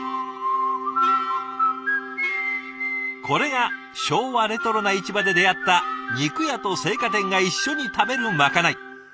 これが昭和レトロな市場で出会った肉屋と青果店が一緒に食べるまかない。